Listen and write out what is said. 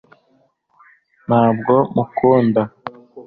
ntabwo mukunda